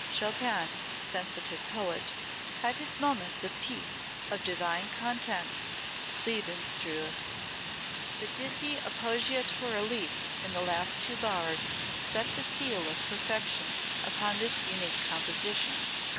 Chopin, sensitive poet, had his moments of peace, of divine content lebensruhe. The dizzy appoggiatura leaps in the last two bars set the seal of perfection upon this unique composition.